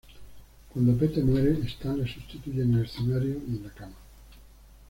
Cuando Pete muere, Stan le sustituye en el escenario y en la cama.